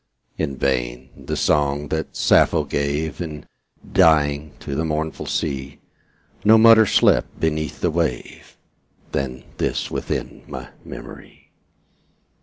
In vain: the song that Sappho gave, In dying, to the mournful sea, Not muter slept beneath the wave Than this within my memory.